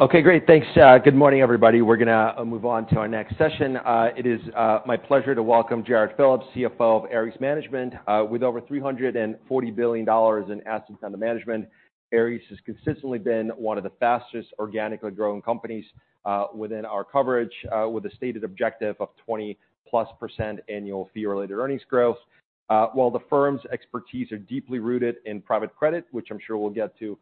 Okay, great. Thanks, good morning, everybody. We're gonna move on to our next session. It is my pleasure to welcome Jarrod Phillips, CFO of Ares Management. With over $340 billion in assets under management, Ares has consistently been one of the fastest organically growing companies within our coverage, with a stated objective of 20%+ annual fee-related earnings growth. While the firm's expertise are deeply rooted in private credit, which I'm sure we'll get to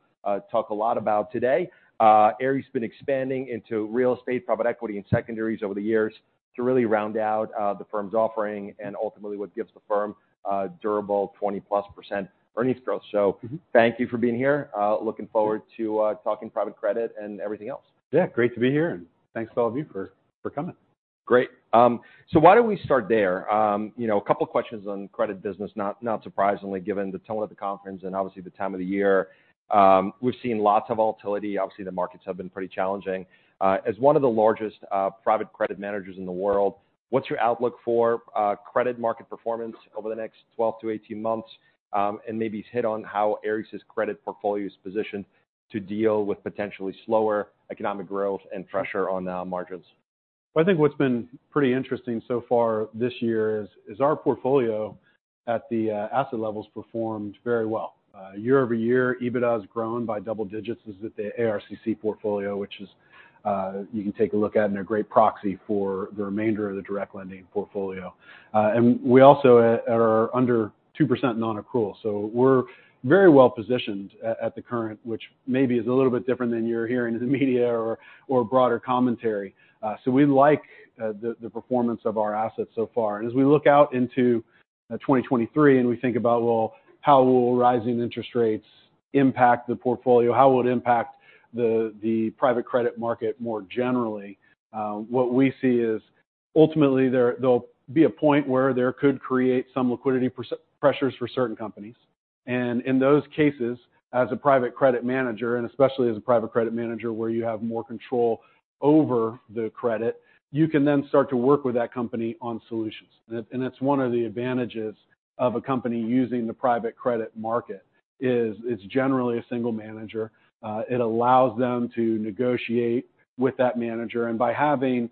talk a lot about today, Ares's been expanding into real estate, private equity, and secondaries over the years to really round out the firm's offering and ultimately what gives the firm durable 20%+ earnings growth. Mm-hmm. Thank you for being here. Looking forward to talking private credit and everything else. Yeah. Great to be here, and thanks to all of you for coming. Great. Why don't we start there? You know, a couple questions on credit business, not surprisingly, given the tone of the conference and obviously the time of the year. We've seen lots of volatility. Obviously, the markets have been pretty challenging. As one of the largest private credit managers in the world, what's your outlook for credit market performance over the next 12 to 18 months? Maybe hit on how Ares' credit portfolio is positioned to deal with potentially slower economic growth and pressure on margins. Well, I think what's been pretty interesting so far this year is our portfolio at the asset level's performed very well. Year-over-year, EBITDA has grown by double digits. This is the ARCC portfolio, which is, you can take a look at, and a great proxy for the remainder of the direct lending portfolio. And we also at our under 2% non-accrual. We're very well positioned at the current, which maybe is a little bit different than you're hearing in the media or broader commentary. We like the performance of our assets so far. As we look out into 2023, and we think about, well, how will rising interest rates impact the portfolio, how will it impact the private credit market more generally, what we see is ultimately there'll be a point where there could create some liquidity pressures for certain companies. In those cases, as a private credit manager, and especially as a private credit manager where you have more control over the credit, you can then start to work with that company on solutions. That's one of the advantages of a company using the private credit market is it's generally a single manager. It allows them to negotiate with that manager. By having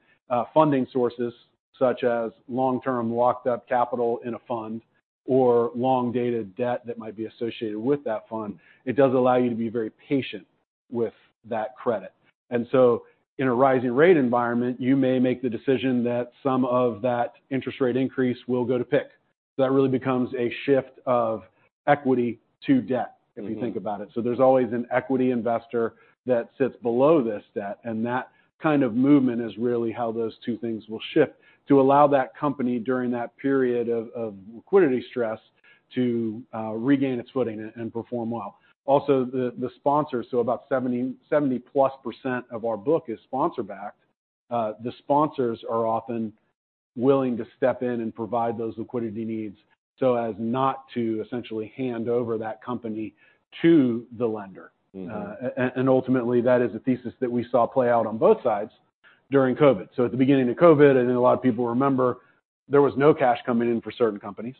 funding sources such as long-term locked-up capital in a fund or long-dated debt that might be associated with that fund, it does allow you to be very patient with that credit. In a rising rate environment, you may make the decision that some of that interest rate increase will go to PIK. That really becomes a shift of equity to debt. Mm-hmm. If you think about it. There's always an equity investor that sits below this debt, and that kind of movement is really how those two things will shift to allow that company during that period of liquidity stress to regain its footing and perform well. The sponsors, so about 70%+ of our book is sponsor-backed. The sponsors are often willing to step in and provide those liquidity needs so as not to essentially hand over that company to the lender. Mm-hmm. And ultimately, that is a thesis that we saw play out on both sides during COVID. At the beginning of COVID, I know a lot of people remember there was no cash coming in for certain companies.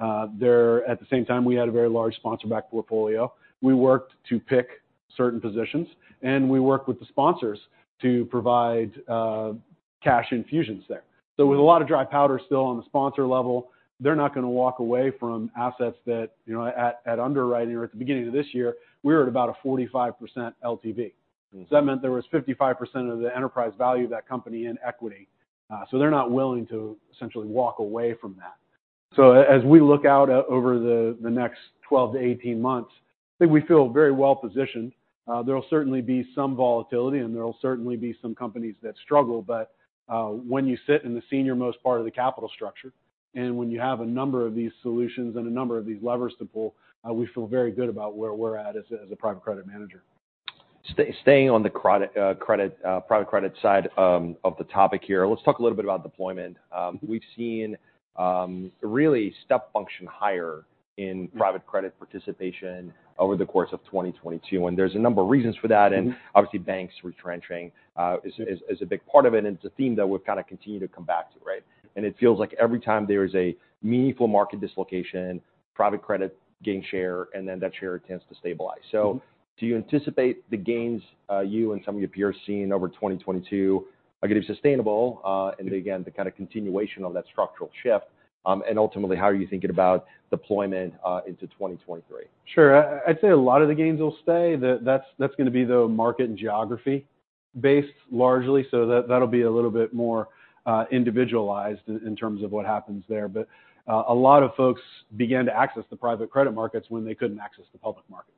At the same time, we had a very large sponsor-backed portfolio. We worked to PIK certain positions, and we worked with the sponsors to provide cash infusions there. With a lot of dry powder still on the sponsor level, they're not gonna walk away from assets that, you know, at underwriting or at the beginning of this year, we were at about a 45% LTV. Mm. That meant there was 55% of the enterprise value of that company in equity. They're not willing to essentially walk away from that. As we look over the next 12 months-18 months, I think we feel very well positioned. There'll certainly be some volatility, and there'll certainly be some companies that struggle. When you sit in the senior-most part of the capital structure, and when you have a number of these solutions and a number of these levers to pull, we feel very good about where we're at as a private credit manager. Staying on the credit, private credit side, of the topic here, let's talk a little bit about deployment. Mm-hmm. We've seen, really step function higher. Mm. Private credit participation over the course of 2022, and there's a number of reasons for that. Mm-hmm. Obviously banks retrenching, is a big part of it, and it's a theme that we've kind of continued to come back to, right? It feels like every time there is a meaningful market dislocation, private credit gains share, and then that share tends to stabilize. Mm-hmm. Do you anticipate the gains, you and some of your peers seen over 2022 are going to be sustainable, and again, the kind of continuation of that structural shift? Ultimately, how are you thinking about deployment into 2023? Sure. I'd say a lot of the gains will stay. That's gonna be the market and geography based largely. That'll be a little bit more individualized in terms of what happens there. A lot of folks began to access the private credit markets when they couldn't access the public markets.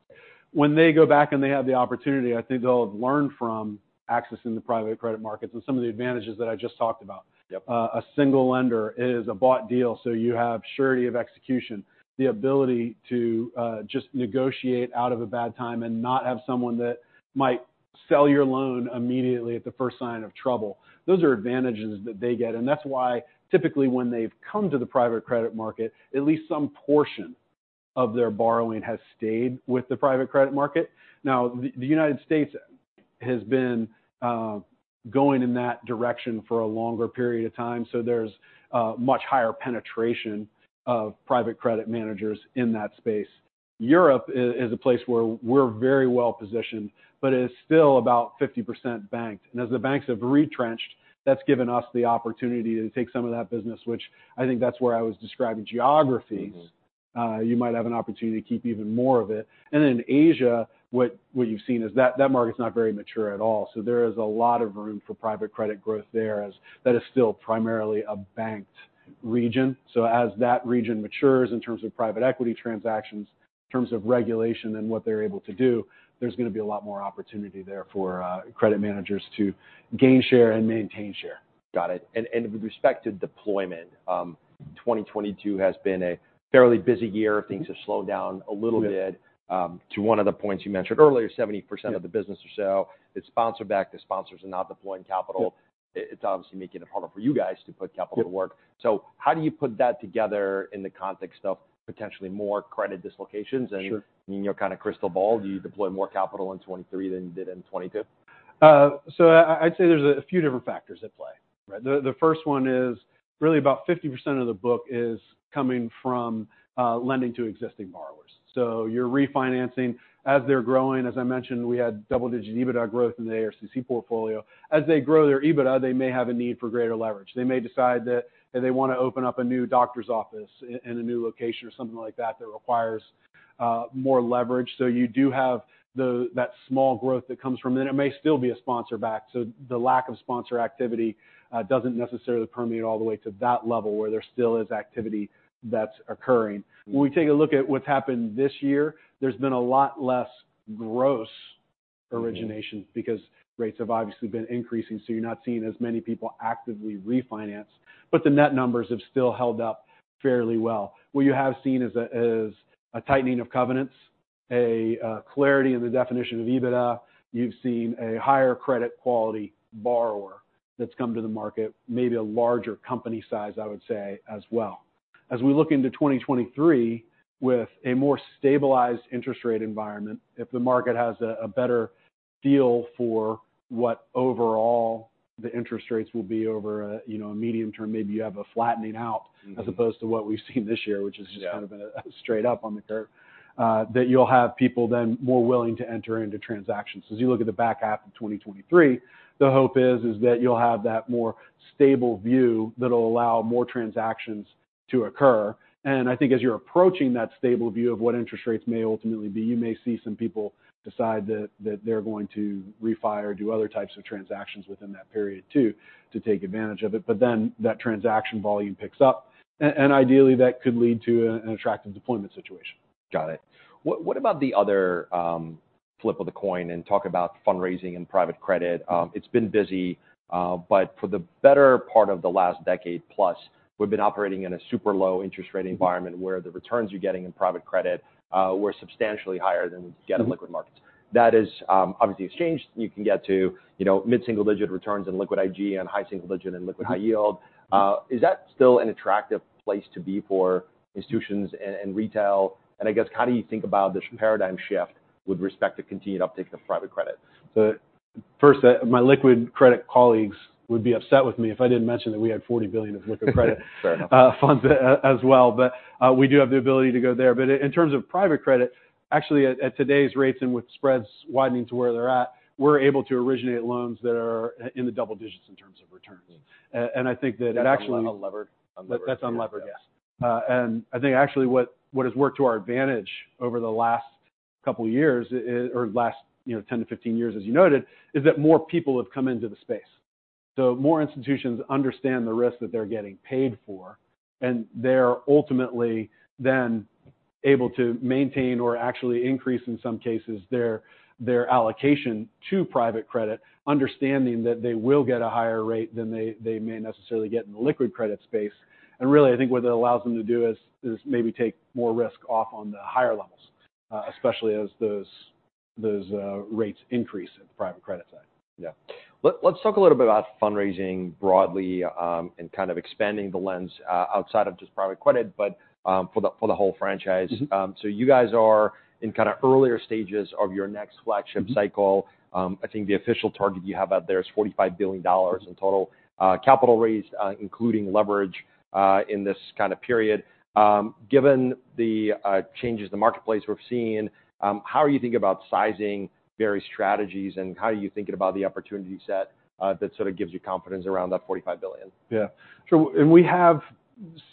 When they go back and they have the opportunity, I think they'll have learned from accessing the private credit markets and some of the advantages that I just talked about. Yep. A single lender. It is a bought deal, so you have surety of execution, the ability to just negotiate out of a bad time and not have someone that might sell your loan immediately at the first sign of trouble. Those are advantages that they get, and that's why typically when they've come to the private credit market, at least some portion of their borrowing has stayed with the private credit market. Now, the United States has been going in that direction for a longer period of time, so there's a much higher penetration of private credit managers in that space. Europe is a place where we're very well-positioned, but it is still about 50% banked. As the banks have retrenched, that's given us the opportunity to take some of that business, which I think that's where I was describing geographies. Mm-hmm. You might have an opportunity to keep even more of it. In Asia, what you've seen is that market's not very mature at all. There is a lot of room for private credit growth there as that is still primarily a banked region. As that region matures in terms of private equity transactions, in terms of regulation and what they're able to do, there's gonna be a lot more opportunity there for credit managers to gain share and maintain share. Got it. With respect to deployment, 2022 has been a fairly busy year. Things have slowed down a little bit. Yeah. to one of the points you mentioned earlier. Yeah -of the business or so is sponsor backed. The sponsors are not deploying capital. Yeah. It's obviously making it harder for you guys to put capital to work. Yeah. How do you put that together in the context of potentially more credit dislocations? Sure. In your kind of crystal ball, do you deploy more capital in 2023 than you did in 2022? I'd say there's a few different factors at play, right? The first one is really about 50% of the book is coming from lending to existing borrowers. You're refinancing as they're growing. As I mentioned, we had double-digit EBITDA growth in the ARCC portfolio. As they grow their EBITDA, they may have a need for greater leverage. They may decide that they wanna open up a new doctor's office in a new location or something like that requires more leverage. You do have that small growth that comes from... It may still be a sponsor backed, so the lack of sponsor activity doesn't necessarily permeate all the way to that level where there still is activity that's occurring. Mm-hmm. When we take a look at what's happened this year, there's been a lot less gross origination. Mm-hmm Rates have obviously been increasing, so you're not seeing as many people actively refinance. The net numbers have still held up fairly well. What you have seen is a tightening of covenants, a clarity in the definition of EBITDA. You've seen a higher credit quality borrower that's come to the market, maybe a larger company size, I would say, as well. As we look into 2023 with a more stabilized interest rate environment, if the market has a better deal for what overall the interest rates will be over a, you know, a medium term, maybe you have a flattening out... Mm-hmm... as opposed to what we've seen this year, which is. Yeah... kind of been a straight up on the curve, that you'll have people then more willing to enter into transactions. As you look at the back half of 2023, the hope is that you'll have that more stable view that'll allow more transactions to occur. I think as you're approaching that stable view of what interest rates may ultimately be, you may see some people decide that they're going to refi or do other types of transactions within that period too to take advantage of it. That transaction volume picks up. Ideally, that could lead to an attractive deployment situation. Got it. What about the other, flip of the coin and talk about fundraising and private credit? It's been busy, For the better part of the last decade plus, we've been operating in a super low interest rate environment... Mm-hmm... where the returns you're getting in private credit, were substantially higher than you get in liquid markets. Mm-hmm. That has obviously exchanged. You can get to, you know, mid-single digit returns in liquid IG and high single digit in liquid high yield. Is that still an attractive place to be for institutions and retail? I guess, how do you think about the paradigm shift with respect to continued uptake of private credit? First, my liquid credit colleagues would be upset with me if I didn't mention that we had $40 billion of liquid credit. Fair enough. funds as well. We do have the ability to go there. In terms of private credit, actually at today's rates and with spreads widening to where they're at, we're able to originate loans that are in the double digits in terms of returns. Mm-hmm. I think that it actually... That's unlevered? Unlevered. That's unlevered, yes. I think actually what has worked to our advantage over the last couple years or last, you know, 10 years-15 years, as you noted, is that more people have come into the space. More institutions understand the risk that they're getting paid for, and they're ultimately then able to maintain or actually increase, in some cases, their allocation to private credit, understanding that they will get a higher rate than they may necessarily get in the liquid credit space. Really, I think what that allows them to do is maybe take more risk off on the higher levels, especially as those rates increase at the private credit side. Yeah. Let's talk a little bit about fundraising broadly, and kind of expanding the lens outside of just private credit, but, for the, for the whole franchise. Mm-hmm. You guys are in kind of earlier stages of your next flagship cycle. Mm-hmm. I think the official target you have out there is $45 billion in total capital raised, including leverage, in this kind of period. Given the changes in the marketplace we're seeing, how are you thinking about sizing various strategies, and how are you thinking about the opportunity set that sort of gives you confidence around that $45 billion? Yeah. Sure, we have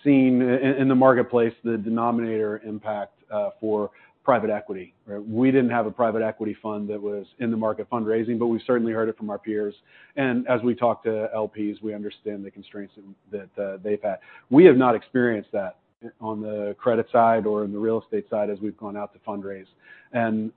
seen in the marketplace the denominator impact for private equity, right? We didn't have a private equity fund that was in the market fundraising, but we certainly heard it from our peers. As we talk to LPs, we understand the constraints that they've had. We have not experienced that on the credit side or in the real estate side as we've gone out to fundraise.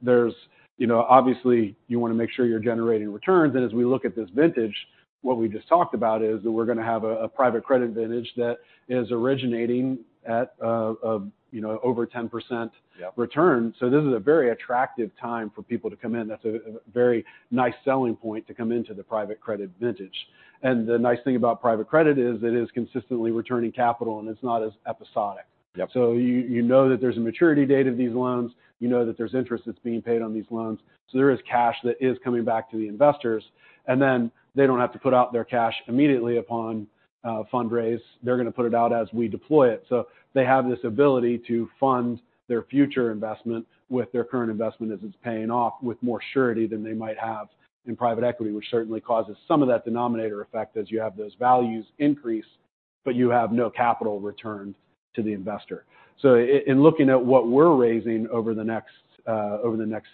There's, you know, obviously you wanna make sure you're generating returns, and as we look at this vintage, what we just talked about is that we're gonna have a private credit vintage that is originating at, you know, over 10%. Yeah return. This is a very attractive time for people to come in. That's a very nice selling point to come into the private credit vintage. The nice thing about private credit is it is consistently returning capital, and it's not as episodic. Yep. You, you know that there's a maturity date of these loans. You know that there's interest that's being paid on these loans, so there is cash that is coming back to the investors. Then they don't have to put out their cash immediately upon a fundraise. They're gonna put it out as we deploy it. They have this ability to fund their future investment with their current investment as it's paying off with more surety than they might have in private equity, which certainly causes some of that denominator effect as you have those values increase-But you have no capital returned to the investor. In looking at what we're raising over the next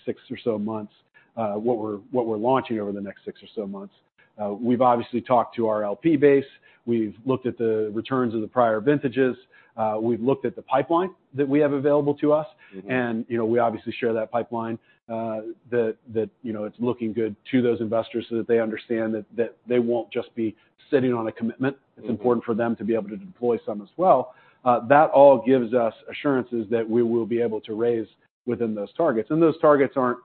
six or so months, what we're launching over the next six or so months, we've obviously talked to our LP base. We've looked at the returns of the prior vintages. We've looked at the pipeline that we have available to us. Mm-hmm. you know, we obviously share that pipeline, that, you know, it's looking good to those investors so that they understand that they won't just be sitting on a commitment. Mm-hmm. It's important for them to be able to deploy some as well. That all gives us assurances that we will be able to raise within those targets. Those targets aren't,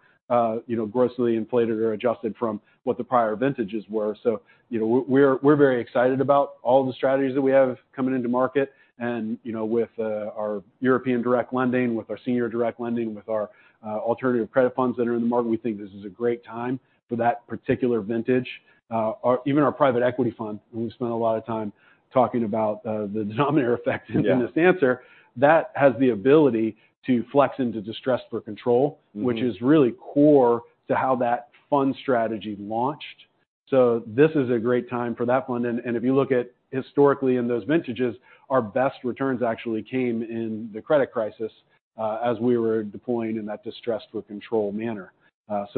you know, grossly inflated or adjusted from what the prior vintages were. You know, we're very excited about all the strategies that we have coming into market. You know, with our European direct lending, with our senior direct lending, with our alternative credit funds that are in the market, we think this is a great time for that particular vintage. Our... Even our private equity fund, and we've spent a lot of time talking about the denominator effect in this answer. Yeah... that has the ability to flex into distressed-for-control. Mm-hmm... which is really core to how that fund strategy launched. This is a great time for that fund. If you look at historically in those vintages, our best returns actually came in the credit crisis, as we were deploying in that distressed with control manner.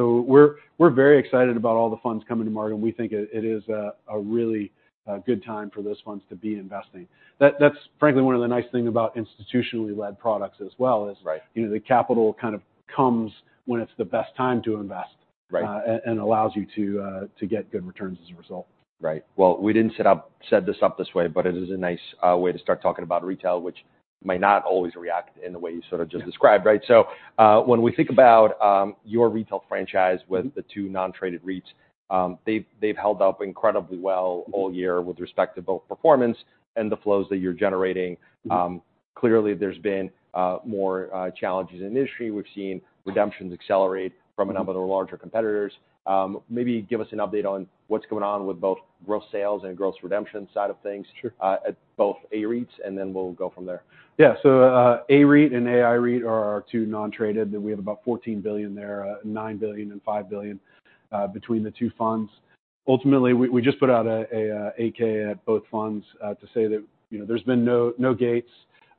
We're very excited about all the funds coming to market, and we think it is a really good time for those funds to be investing. That's frankly one of the nice thing about institutionally led products as well is. Right... you know, the capital kind of comes when it's the best time to invest. Right and allows you to get good returns as a result. Right. W.ll, we didn't set this up this way, but it is a nice way to start talking about retail, which might not always react in the way you sort of just described, right? Yeah. When we think about your retail franchise. Mm-hmm... with the two non-traded REITs, they've held up incredibly well all year with respect to both performance and the flows that you're generating. Mm-hmm. Clearly there's been more challenges in the industry. We've seen redemptions accelerate from a number of the larger competitors. Maybe give us an update on what's going on with both gross sales and gross redemption side of things? Sure... at both Ares REITs, and then we'll go from there. AREIT and AIREIT are our two non-traded. We have about $14 billion there, $9 billion and $5 billion, between the two funds. Ultimately, we just put out a 8-K at both funds, to say that, you know, there's been no gates,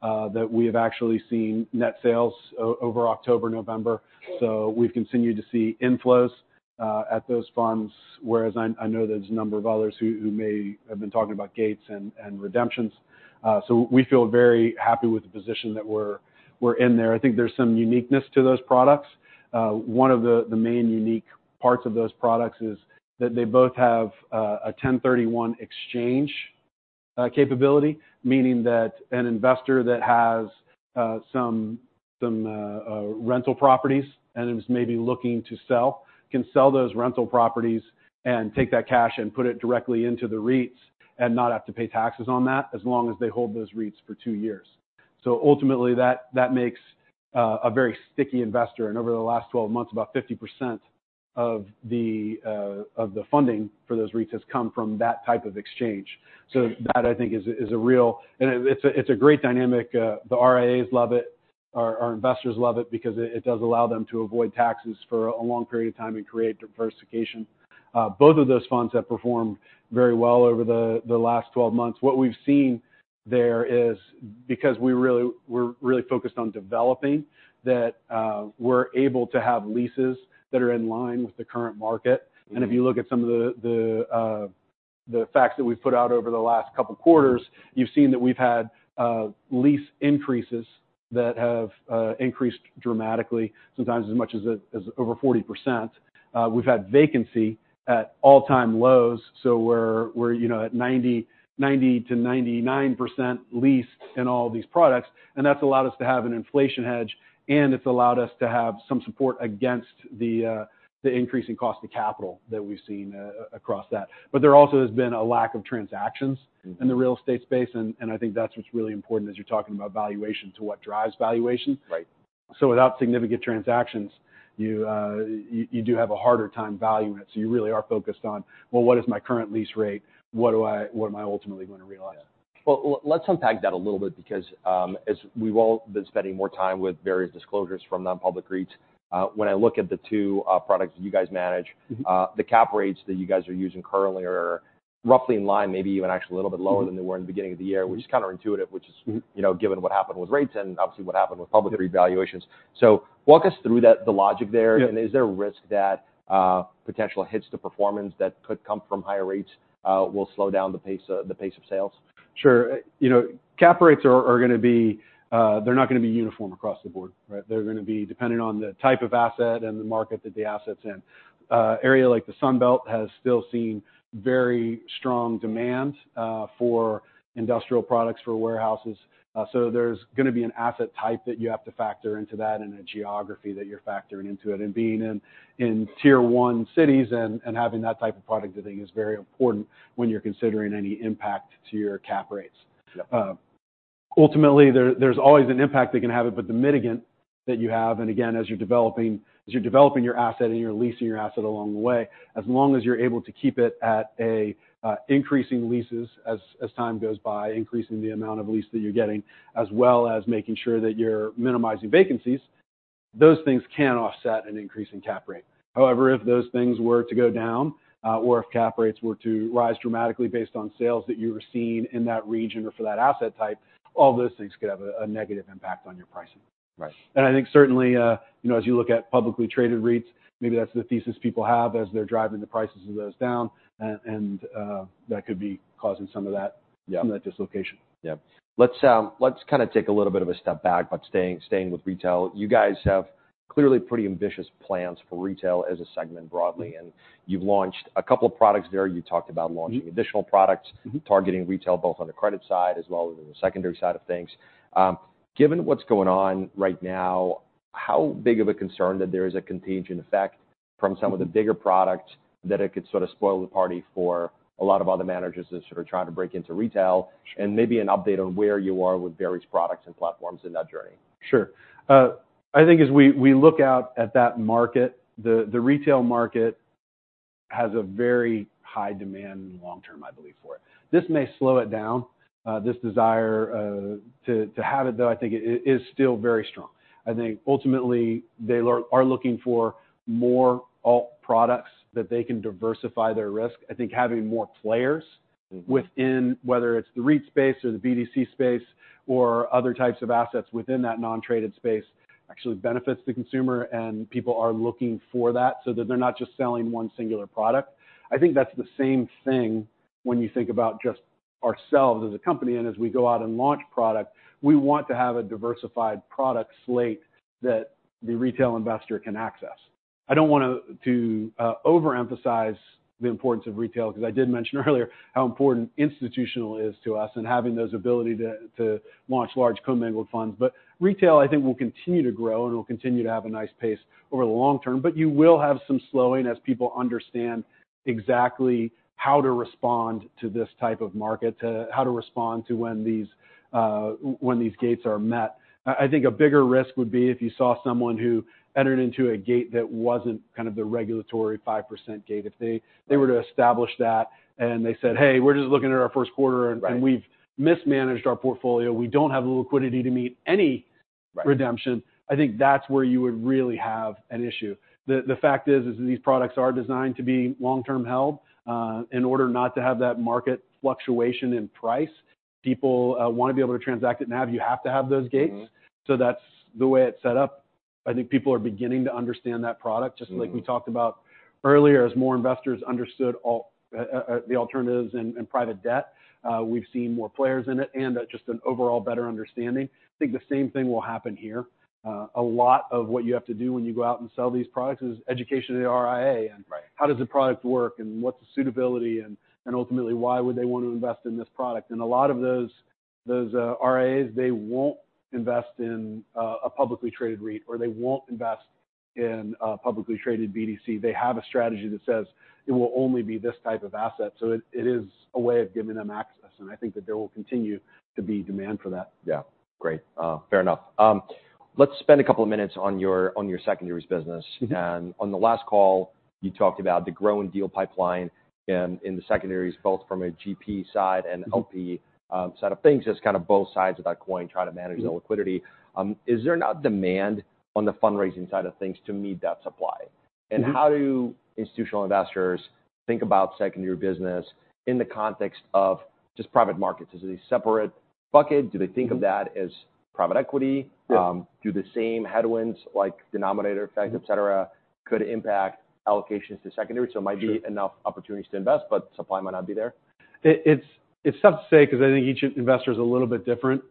that we have actually seen net sales over October, November. We've continued to see inflows at those funds, whereas I know there's a number of others who may have been talking about gates and redemptions. We feel very happy with the position that we're in there. I think there's some uniqueness to those products. One of the main unique parts of those products is that they both have a 1031 exchange capability, meaning that an investor that has some rental properties and is maybe looking to sell, can sell those rental properties and take that cash and put it directly into the REITs and not have to pay taxes on that as long as they hold those REITs for two years. Ultimately that makes a very sticky investor, and over the last 12 months, about 50% of the funding for those REITs has come from that type of exchange. That I think is a real. It's a great dynamic. The RIAs love it. Our investors love it because it does allow them to avoid taxes for a long period of time and create diversification. Both of those funds have performed very well over the last 12 months. What we've seen there is because we're really focused on developing, that, we're able to have leases that are in line with the current market. Mm-hmm. If you look at some of the facts that we've put out over the last couple quarters, you've seen that we've had lease increases that have increased dramatically, sometimes as much as over 40%. We've had vacancy at all-time lows, so we're, you know, at 90%-99% leased in all these products, and that's allowed us to have an inflation hedge, and it's allowed us to have some support against the increasing cost of capital that we've seen across that. There also has been a lack of transactions. Mm-hmm... in the real estate space, and I think that's what's really important as you're talking about valuation to what drives valuation. Right. Without significant transactions, you do have a harder time valuing it, so you really are focused on, well, what is my current lease rate? What am I ultimately gonna realize? Yeah. Well, let's unpack that a little bit because, as we've all been spending more time with various disclosures from non-public REITs, when I look at the two, products that you guys manage. Mm-hmm... the cap rates that you guys are using currently are roughly in line, maybe even actually a little bit lower than they were in the beginning of the year. Mm-hmm... which is counterintuitive. Mm-hmm... you know, given what happened with rates and obviously what happened with public REIT valuations. Walk us through that, the logic there? Yeah. Is there a risk that potential hits to performance that could come from higher rates will slow down the pace of sales? Sure. You know, cap rates are gonna be, they're not gonna be uniform across the board, right. They're gonna be dependent on the type of asset and the market that the asset's in. Area like the Sun Belt has still seen very strong demand for industrial products, for warehouses. So there's gonna be an asset type that you have to factor into that and a geography that you're factoring into it. Being in tier one cities and having that type of product, I think is very important when you're considering any impact to your cap rates. Yeah. Ultimately there's always an impact that can have it, but the mitigant that you have, and again, as you're developing your asset and you're leasing your asset along the way, as long as you're able to keep it at a increasing leases as time goes by, increasing the amount of lease that you're getting, as well as making sure that you're minimizing vacancies. Those things can offset an increase in cap rate. If those things were to go down, or if cap rates were to rise dramatically based on sales that you were seeing in that region or for that asset type, all those things could have a negative impact on your pricing. Right. I think certainly, you know, as you look at publicly traded REITs, maybe that's the thesis people have as they're driving the prices of those down and that could be causing some of that. Yeah... some of that dislocation. Yeah. Let's kind of take a little bit of a step back, but staying with retail. You guys have clearly pretty ambitious plans for retail as a segment broadly, and you've launched a couple of products there. You talked about launching. Mm-hmm... additional products- Mm-hmm... targeting retail, both on the credit side as well as on the secondary side of things. Given what's going on right now, how big of a concern that there is a contagion effect from some of the bigger products that it could sort of spoil the party for a lot of other managers that sort of try to break into retail? Maybe an update on where you are with various products and platforms in that journey. Sure. I think as we look out at that market, the retail market has a very high demand long term, I believe for it. This may slow it down, this desire to have it, though I think it is still very strong. I think ultimately they are looking for more alt products that they can diversify their risk. I think having more players. Mm-hmm... within, whether it's the REIT space or the BDC space or other types of assets within that non-traded space actually benefits the consumer, and people are looking for that so that they're not just selling one singular product. I think that's the same thing when you think about just ourselves as a company and as we go out and launch product, we want to have a diversified product slate that the retail investor can access. I don't want to overemphasize the importance of retail because I did mention earlier how important institutional is to us and having those ability to launch large commingled funds. Retail, I think will continue to grow and will continue to have a nice pace over the long term. You will have some slowing as people understand exactly how to respond to this type of market, how to respond to when these gates are met. I think a bigger risk would be if you saw someone who entered into a gate that wasn't kind of the regulatory 5% gate. If they. Right... they were to establish that and they said, "Hey, we're just looking at our first quarter and- Right We've mismanaged our portfolio. We don't have the liquidity to meet. Right... redemption," I think that's where you would really have an issue. The fact is, these products are designed to be long-term held, in order not to have that market fluctuation in price. People want to be able to transact it now. You have to have those gates. Mm-hmm. That's the way it's set up. I think people are beginning to understand that product, just like we talked about earlier. As more investors understood the alternatives in private debt, we've seen more players in it and, just an overall better understanding. I think the same thing will happen here. A lot of what you have to do when you go out and sell these products is education to the RIA and- Right... how does the product work and what's the suitability and ultimately why would they want to invest in this product. A lot of those RIAs, they won't invest in a publicly traded REIT or they won't invest in a publicly traded BDC. They have a strategy that says it will only be this type of asset. It is a way of giving them access, and I think that there will continue to be demand for that. Yeah. Great. Fair enough. Let's spend a couple of minutes on your secondaries business. Mm-hmm. On the last call, you talked about the growing deal pipeline in the secondaries, both from a GP side and LP- Mm-hmm... side of things, just kind of both sides of that coin trying to manage. Mm-hmm... the liquidity. Is there enough demand on the fundraising side of things to meet that supply? Mm-hmm. How do institutional investors think about secondary business in the context of just private markets? Is it a separate bucket? Do they think of that as private equity? Yeah. Do the same headwinds like denominator effect, et cetera, could impact allocations to secondary? So it might be- Sure enough opportunities to invest, but supply might not be there. It's tough to say because I think each investor is a little bit different.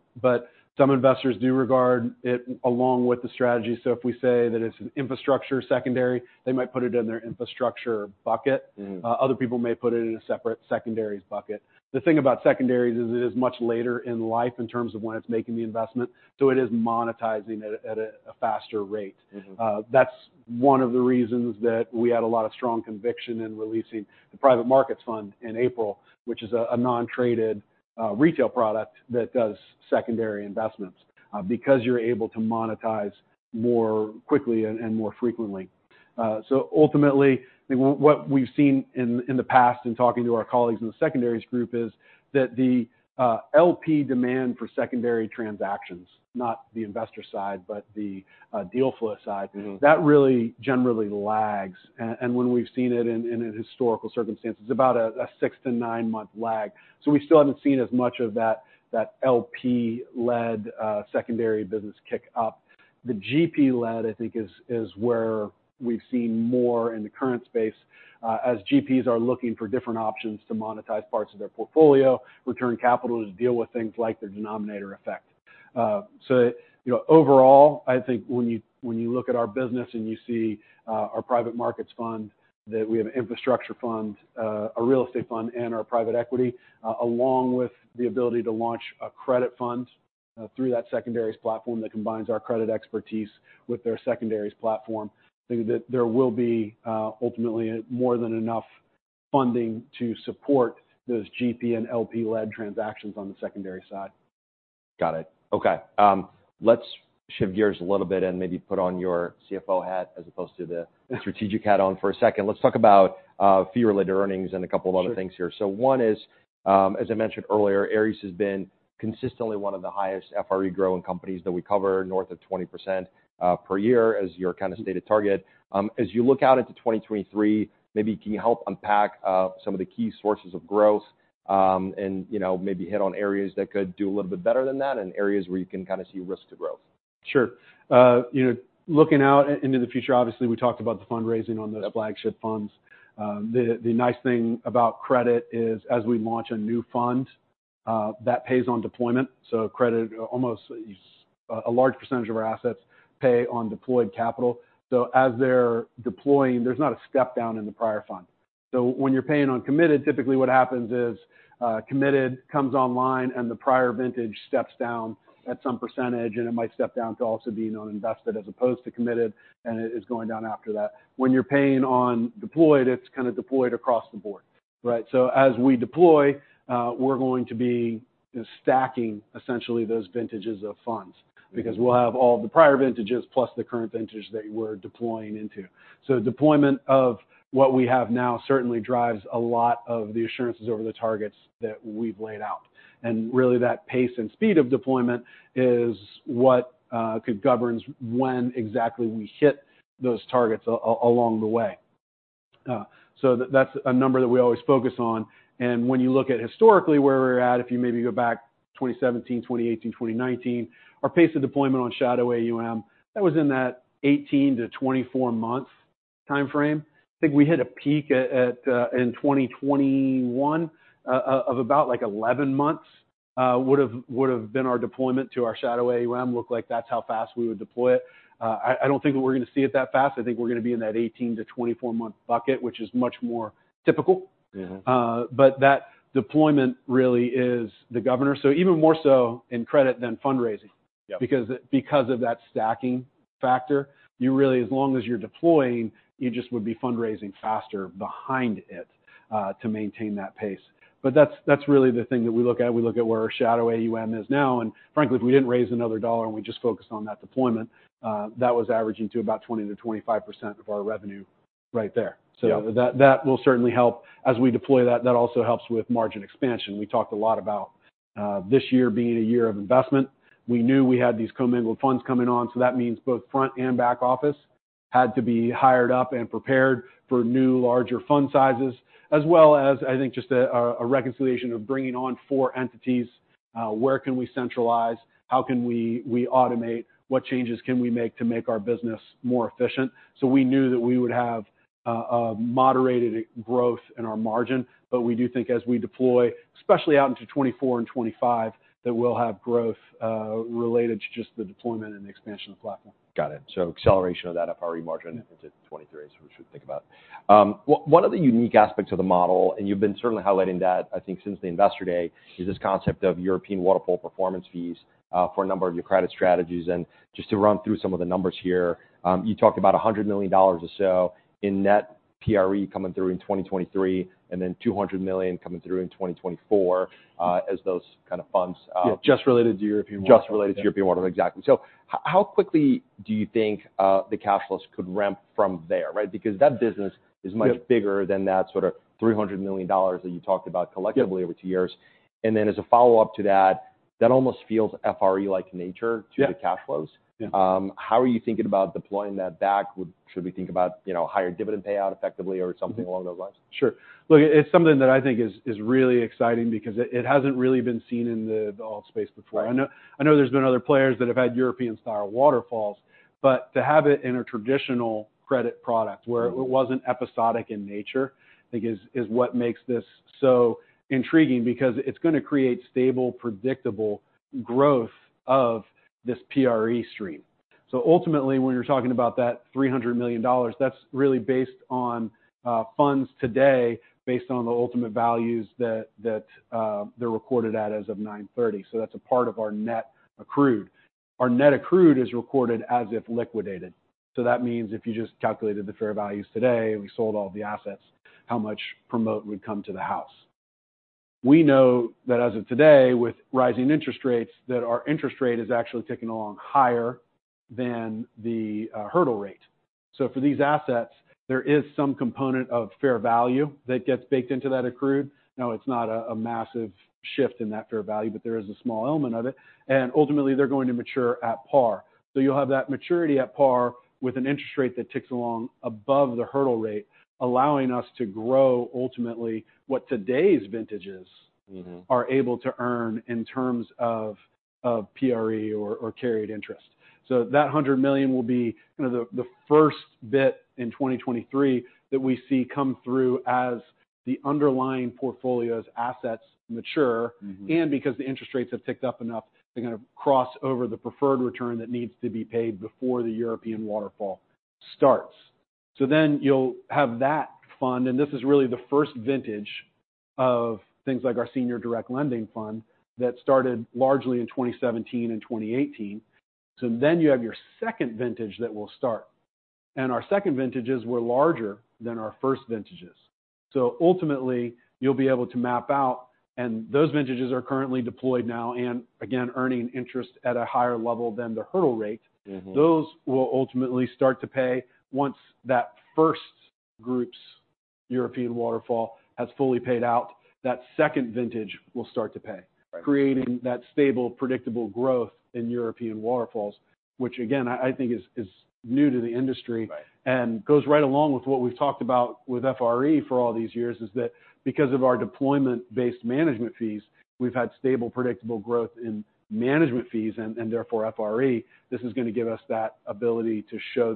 Some investors do regard it along with the strategy. If we say that it's an infrastructure secondary, they might put it in their infrastructure bucket. Mm-hmm. Other people may put it in a separate secondaries bucket. The thing about secondaries is it is much later in life in terms of when it's making the investment, so it is monetizing at a faster rate. Mm-hmm. That's one of the reasons that we had a lot of strong conviction in releasing the Private Markets Fund in April, which is a non-traded retail product that does secondary investments because you're able to monetize more quickly and more frequently. Ultimately what we've seen in the past in talking to our colleagues in the secondaries group is that the LP demand for secondary transactions, not the investor side, but the deal flow side. Mm-hmm... that really generally lags. When we've seen it in a historical circumstance, it's about a 6 month-9 month lag. We still haven't seen as much of that LP-led secondary business kick up. The GP-led, I think, is where we've seen more in the current space, as GPs are looking for different options to monetize parts of their portfolio, return capital to deal with things like the denominator effect. You know, overall, I think when you, when you look at our business and you see, our Private Markets Fund, that we have an infrastructure fund, a real estate fund, and our private equity, along with the ability to launch a credit fund, through that secondaries platform that combines our credit expertise with their secondaries platform, I think that there will be, ultimately more than enough funding to support those GP and LP-led transactions on the secondary side. Got it. Okay. Let's shift gears a little bit and maybe put on your CFO hat as opposed to the strategic hat on for a second. Let's talk about fee-related earnings and a couple of other things here. One is, as I mentioned earlier, Ares has been consistently one of the highest FRE growing companies that we cover, north of 20% per year as your kind of stated target. As you look out into 2023, maybe can you help unpack some of the key sources of growth, and, you know, maybe hit on areas that could do a little bit better than that and areas where you can kind of see risk to growth? Sure. you know, looking out into the future, obviously, we talked about the fundraising on those flagship funds. The, the nice thing about credit is as we launch a new fund, that pays on deployment. A large percentage of our assets pay on deployed capital. As they're deploying, there's not a step down in the prior fund. When you're paying on committed, typically what happens is, committed comes online, and the prior vintage steps down at some percentage, and it might step down to also being uninvested as opposed to committed, and it is going down after that. When you're paying on deployed, it's kind of deployed across the board, right? As we deploy, we're going to be stacking essentially those vintages of funds because we'll have all the prior vintages plus the current vintage that we're deploying into. Deployment of what we have now certainly drives a lot of the assurances over the targets that we've laid out. Really that pace and speed of deployment is what governs when exactly we hit those targets along the way. That's a number that we always focus on. When you look at historically where we're at, if you maybe go back 2017, 2018, 2019, our pace of deployment on shadow AUM, that was in that 18 month-24 month timeframe. I think we hit a peak at in 2021 of about like 11 months would've been our deployment to our shadow AUM, looked like that's how fast we would deploy it. I don't think that we're gonna see it that fast. I think we're gonna be in that 18 month-24 month bucket, which is much more typical. Mm-hmm. That deployment really is the governor. Even more so in credit than fundraising. Yeah because of that stacking factor, you really, as long as you're deploying, you just would be fundraising faster behind it to maintain that pace. That's really the thing that we look at. We look at where our shadow AUM is now, and frankly, if we didn't raise another $1 and we just focused on that deployment, that was averaging to about 20%-25% of our revenue right there. Yeah. That will certainly help. As we deploy that also helps with margin expansion. We talked a lot about this year being a year of investment. We knew we had these commingled funds coming on, so that means both front and back office had to be hired up and prepared for new larger fund sizes, as well as I think just a reconciliation of bringing on four entities, where can we centralize, how can we automate, what changes can we make to make our business more efficient. We knew that we would have a moderated growth in our margin. We do think as we deploy, especially out into 2024 and 2025, that we'll have growth related to just the deployment and expansion of the platform. Got it. Acceleration of that FRE margin into 2023 is what we should think about. One of the unique aspects of the model, and you've been certainly highlighting that, I think, since the investor day, is this concept of European waterfall performance fees, for a number of your credit strategies. Just to run through some of the numbers here, you talked about $100 million or so in net PRE coming through in 2023, and then $200 million coming through in 2024, as those kind of funds. Yeah. Just related to European waterfall. Just related to European waterfall. Exactly. How quickly do you think the cash flows could ramp from there, right? Because that business is much bigger than that sort of $300 million that you talked about collectively over two years. As a follow-up to that almost feels FRE-like nature to the cash flows. Yeah. How are you thinking about deploying that back? Should we think about, you know, higher dividend payout effectively or something along those lines? Sure. Look, it's something that I think is really exciting because it hasn't really been seen in the alt space before. Right. I know, I know there's been other players that have had European-style waterfalls, to have it in a traditional credit product where it wasn't episodic in nature, I think is what makes this so intriguing because it's gonna create stable, predictable growth of this PRE stream. Ultimately, when you're talking about that $300 million, that's really based on funds today based on the ultimate values that they're recorded at as of 9/30. That's a part of our net accrued. Our net accrued is recorded as if liquidated. That means if you just calculated the fair values today, we sold all the assets, how much promote would come to the house. We know that as of today, with rising interest rates, that our interest rate is actually ticking along higher than the hurdle rate. For these assets, there is some component of fair value that gets baked into that accrued. It's not a massive shift in that fair value, but there is a small element of it, and ultimately, they're going to mature at par. You'll have that maturity at par with an interest rate that ticks along above the hurdle rate, allowing us to grow ultimately what today's. Mm-hmm... are able to earn in terms of PRE or carried interest. That $100 million will be kind of the first bit in 2023 that we see come through as the underlying portfolio's assets mature. Mm-hmm. Because the interest rates have ticked up enough, they're gonna cross over the preferred return that needs to be paid before the European waterfall starts. You'll have that fund, and this is really the first vintage of things like our senior direct lending fund that started largely in 2017 and 2018. You have your second vintage that will start. Our second vintages were larger than our first vintages. Ultimately, you'll be able to map out, and those vintages are currently deployed now and again, earning interest at a higher level than the hurdle rate. Mm-hmm. Those will ultimately start to pay once that first group's European waterfall has fully paid out, that second vintage will start to pay. Right. Creating that stable, predictable growth in European waterfalls, which again, I think is new to the industry. Right. Goes right along with what we've talked about with FRE for all these years, is that because of our deployment-based management fees, we've had stable, predictable growth in management fees and therefore FRE. This is gonna give us that ability to show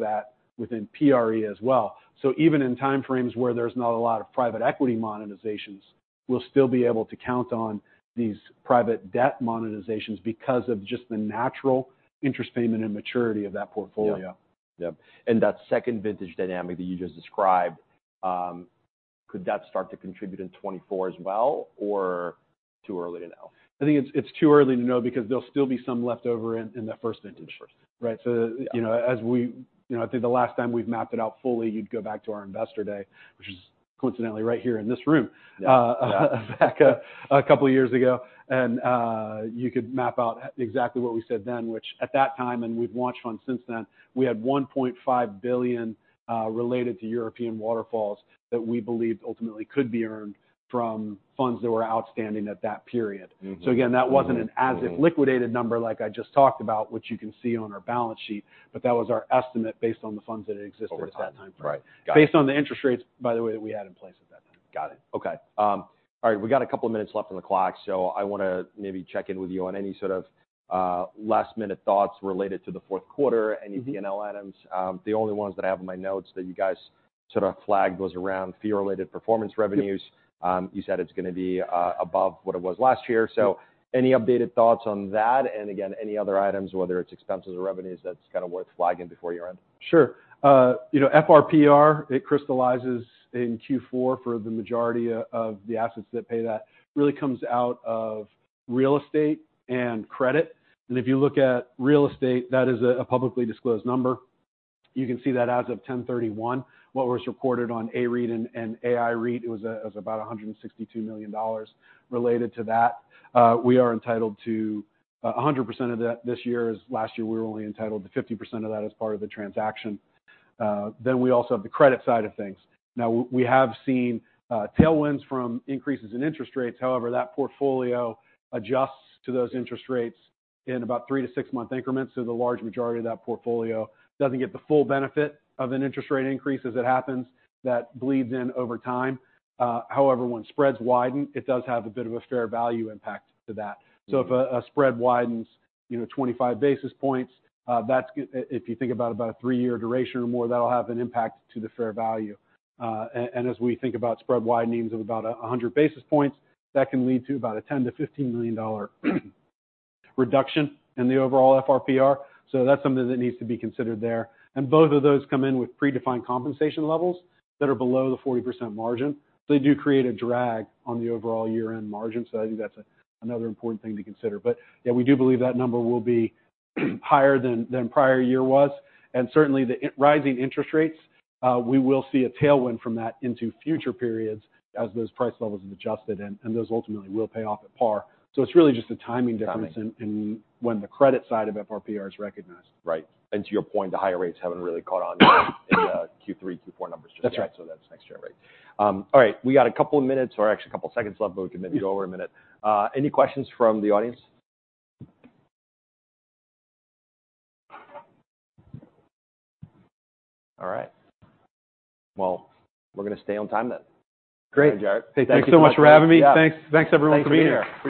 that within PRE as well. Even in timeframes where there's not a lot of private equity monetizations, we'll still be able to count on these private debt monetizations because of just the natural interest payment and maturity of that portfolio. Yeah. Yep. That second vintage dynamic that you just described, could that start to contribute in 2024 as well, or too early to know? I think it's too early to know because there'll still be some leftover in the first vintage. First. Right. You know, as we... You know, I think the last time we've mapped it out fully, you'd go back to our investor day, which is coincidentally right here in this room. Yeah. Back a couple of years ago you could map out exactly what we said then, which at that time, and we've launched funds since then, we had $1.5 billion related to European waterfalls that we believed ultimately could be earned from funds that were outstanding at that period. Mm-hmm. Again, that wasn't an as if liquidated number like I just talked about, which you can see on our balance sheet, but that was our estimate based on the funds that existed at that time. Over time. Right. Got it. Based on the interest rates, by the way, that we had in place at that time. Got it. Okay. All right, we got two minutes left on the clock, so I wanna maybe check in with you on any sort of last-minute thoughts related to the fourth quarter. Mm-hmm. Any P&L items. The only ones that I have in my notes that you guys sort of flagged was around fee-related performance revenues. You said it's gonna be above what it was last year. Mm-hmm. Any updated thoughts on that? Again, any other items, whether it's expenses or revenues, that's kind of worth flagging before year-end. Sure. you know, FRPR, it crystallizes in Q4 for the majority of the assets that pay that. Really comes out of real estate and credit. If you look at real estate, that is a publicly disclosed number. You can see that as of 10/31, what was reported on A-REIT and AI-REIT, it was about $162 million related to that. We are entitled to 100% of that this year. Last year, we were only entitled to 50% of that as part of the transaction. We also have the credit side of things. Now, we have seen tailwinds from increases in interest rates. However, that portfolio adjusts to those interest rates in about 3 month- 6 month increments, so the large majority of that portfolio doesn't get the full benefit of an interest rate increase as it happens. That bleeds in over time. However, when spreads widen, it does have a bit of a fair value impact to that. Mm-hmm. If a spread widens, you know, 25 basis points. If you think about a three-year duration or more, that'll have an impact to the fair value. And as we think about spread widenings of about 100 basis points, that can lead to about a $10 million-$15 million reduction in the overall FRPR. That's something that needs to be considered there. Both of those come in with predefined compensation levels that are below the 40% margin. I think that's another important thing to consider. Yeah, we do believe that number will be higher than prior year was, and certainly, the rising interest rates, we will see a tailwind from that into future periods as those price levels have adjusted and those ultimately will pay off at par. It's really just a timing difference. Timing... in when the credit side of FRPR is recognized. Right. to your point, the higher rates haven't really caught on yet-... in the Q3, Q4 numbers just yet. That's right. That's next year, right. All right. We got a couple of minutes or actually a couple seconds left, but we can maybe go over one minute. Any questions from the audience? All right. We're gonna stay on time then. Great. All right, Jarrett. Hey, thanks so much for having me. Yeah. Thanks, thanks everyone for being here. Appreciate it.